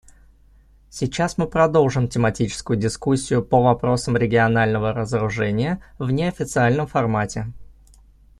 Сейчас мы продолжим тематическую дискуссию по вопросам регионального разоружения в неофициальном формате.